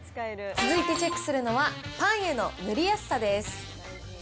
続いてチェックするのは、パンへの塗りやすさです。